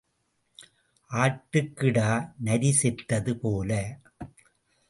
ஆட்டுக்கிடா, நரி செத்தது போல.